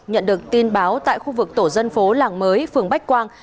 nhận được tin báo tại khu vực tổ dân phố làng mới phường bách quang